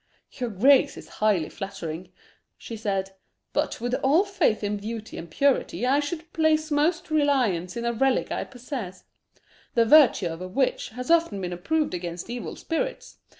"Your grace is highly flattering," she said. "But, with all faith in beauty and purity, I should place most reliance in a relic I possess the virtue of which has often been approved against evil spirits.